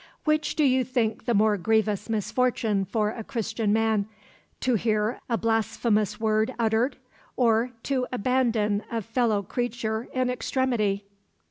"Which do you think the more grievous misfortune for a Christian man; to hear a blasphemous word uttered, or to abandon a fellow creature in extremity?"